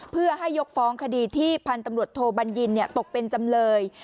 เพื่อให้ยกฟ้องคดีที่พันธุ์ตำรวจโทบัญญินตกเป็นจำเลย